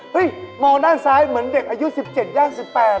มองด้านซ้ายเหมือนเด็กอายุ๑๗ย่าง๑๘